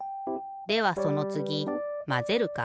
ではそのつぎまぜるか？